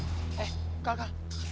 eh kal kal